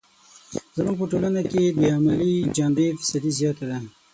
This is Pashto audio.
زموږ په ټولنه کې یې د عملي جنبې فیصدي زیاته ده.